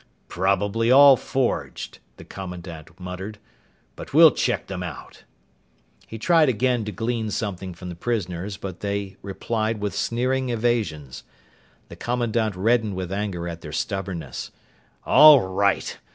"Probably all forged," the commandant muttered, "but we'll check them out." He tried again to glean something from the prisoners, but they replied with sneering evasions. The commandant reddened with anger at their stubbornness. "All right.